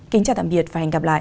kính chào tạm biệt và hẹn gặp lại